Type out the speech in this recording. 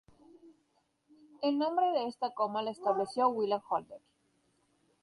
El nombre de esta coma lo estableció William Holder.